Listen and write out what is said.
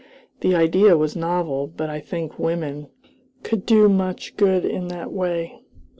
The idea was novel, but I think women could do much good in that way.